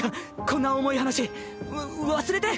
こんな重い話。わ忘れて。